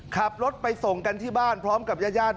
ขับรถไปส่งกันที่บ้านพร้อมกับญาติญาติ